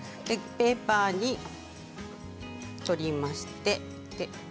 ペーパーに取りまして。